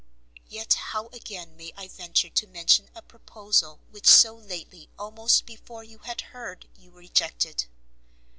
Yet how again may I venture to mention a proposal which so lately almost before you had heard you rejected?